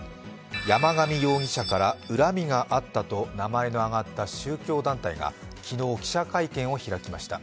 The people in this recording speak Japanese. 山上容疑者から恨みがあったと名前の挙がった宗教団体が昨日記者会見を開きました。